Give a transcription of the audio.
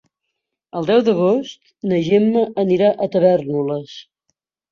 El deu d'agost na Gemma anirà a Tavèrnoles.